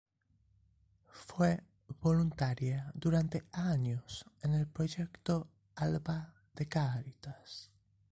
Fue voluntaria durante años en el proyecto Alba de Cáritas.